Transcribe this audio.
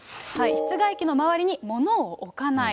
室外機の周りにものを置かない。